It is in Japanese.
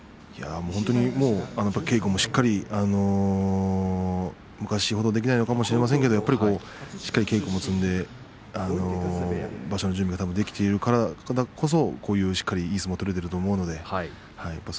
稽古もしっかり昔ほどできないのかもしれませんが稽古を積んで場所の準備がたぶんできているからこそこういうしっかり、いい相撲が取れていると思います。